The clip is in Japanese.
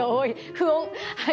不穏はい。